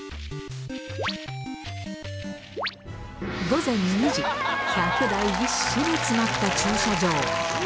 午前２時、１００台ぎっしり詰まった駐車場。